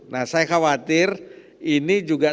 nah saya khawatir ini juga